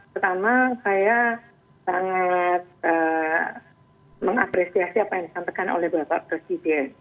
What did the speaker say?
pertama saya sangat mengapresiasi apa yang disampaikan oleh bapak presiden